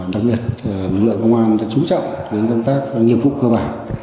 đồng nghiệp lượng công an đã trú trọng công tác nghiệp vụ cơ bản